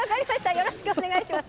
よろしくお願いします。